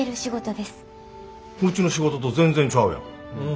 うちの仕事と全然ちゃうやん。